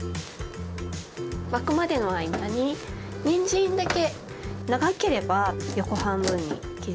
沸くまでの間ににんじんだけ長ければ横半分に切ります。